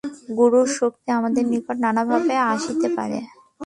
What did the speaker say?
গুরুর শক্তি আমাদের নিকট নানাভাবে আসিতে পারে।